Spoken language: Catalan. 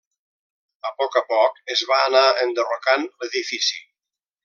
A poc a poc es va anar enderrocant l'edifici.